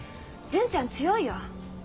純ちゃん強いよ。